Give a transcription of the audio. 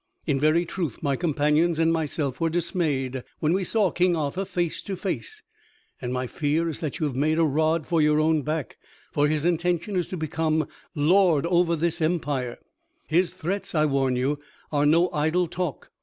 In very truth my companions and myself were dismayed when we saw King Arthur face to face, and my fear is that you have made a rod for your own back, for his intention is to become lord over this empire. His threats, I warn you, are no idle talk.